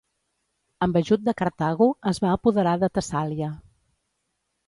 Amb ajut de Cartago es va apoderar de Tessàlia.